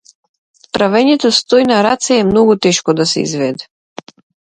Правењето стој на раце е многу тешко да се изведе.